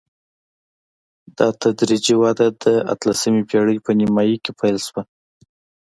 دا تدریجي وده د اتلسمې پېړۍ په نیمايي کې پیل شوه.